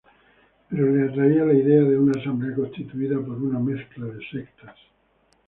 Pero le atraía la idea de una asamblea constituida por una mezcla de sectas.